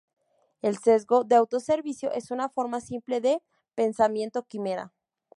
El sesgo de autoservicio es una forma simple de pensamiento quimera.